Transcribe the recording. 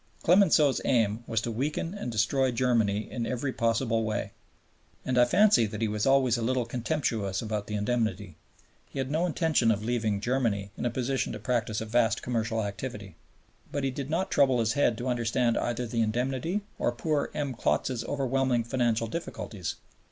Clemenceau's aim was to weaken and destroy Germany in every possible way, and I fancy that he was always a little contemptuous about the Indemnity; he had no intention of leaving Germany in a position to practise a vast commercial activity. But he did not trouble his head to understand either the indemnity or poor M. Klotz's overwhelming financial difficulties.